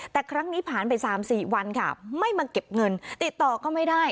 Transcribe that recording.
แต่ครั้งนี้ผ่านไป๓๔วันค่ะไม่มาเก็บเงินติดต่อก็ไม่ได้